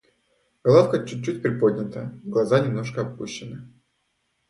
Головка чуть-чуть приподнята, глаза немножко опущены.